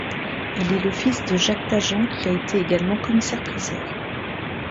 Il est le fils de Jacques Tajan qui a été également commissaire-priseur.